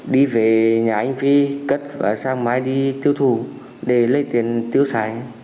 đi về nhà anh phi cất và sang máy đi tiêu thủ để lấy tiền tiêu xài